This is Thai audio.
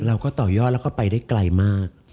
ต่อยอดแล้วก็ไปได้ไกลมาก